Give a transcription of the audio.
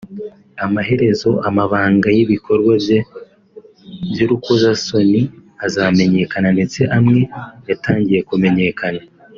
amaherezo amabanga y’ibikorwa bye by’urukozasoni azamenyekana ndetse amwe yatangiye kumenyekana